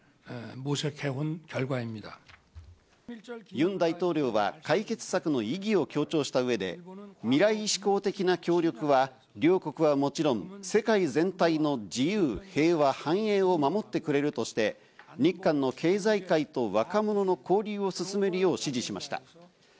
ユン大統領は解決策の意義を強調した上で、未来志向的な協力は両国はもちろん、世界全体の自由、平和、繁栄を守ってくれるとして、日韓の経済界と若者の交流を進めるよう指示しました。